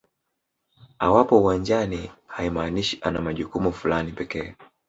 Awapo uwanjani haimaanishi ana majukumu fulani pekee